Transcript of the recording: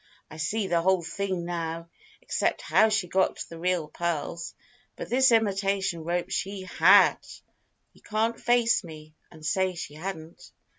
"I see the whole thing now except how she got the real pearls. But this imitation rope she had. You can't face me, and say she hadn't."